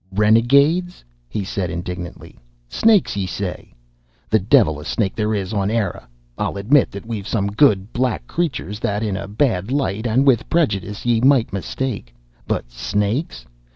"Renegades!" he said indignantly. "Snakes, yea say? The devil a snake there is on Eire! I'll admit that we've some good black creatures that in a bad light and with prejudice yea might mistake. But snakes?